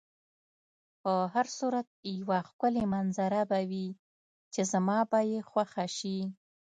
په هر صورت یوه ښکلې منظره به وي چې زما به یې خوښه شي.